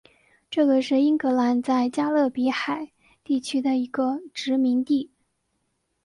这个是英格兰在加勒比海地区的第一个殖民地。